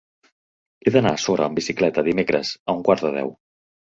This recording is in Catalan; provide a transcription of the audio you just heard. He d'anar a Sora amb bicicleta dimecres a un quart de deu.